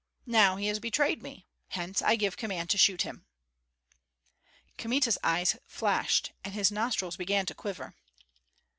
Now he has betrayed me; hence I give command to shoot him." Kmita's eyes flashed, and his nostrils began to quiver.